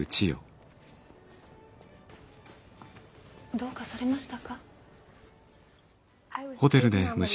どうかされましたか？